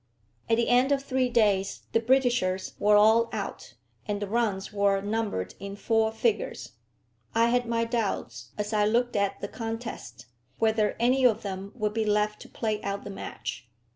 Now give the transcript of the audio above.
At the end of three days the Britishers were all out, and the runs were numbered in four figures. I had my doubts, as I looked at the contest, whether any of them would be left to play out the match.